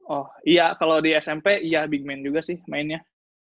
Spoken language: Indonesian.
oh iya kalau di smp iya big man juga sih mainnya